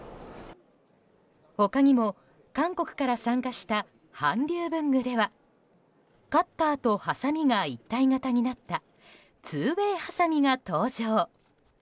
他にも韓国から参加した韓流文具ではカッターとはさみが一体型になった２Ｗａｙはさみが登場。